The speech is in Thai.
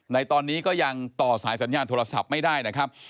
ในตอนนี้ก็ยังต่อสายสัญญาณโทรศัพท์ไม่ได้นะครับ